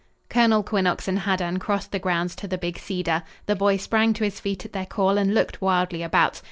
Colonel Quinnox and Haddan crossed the grounds to the big cedar. The boy sprang to his feet at their call and looked wildly about.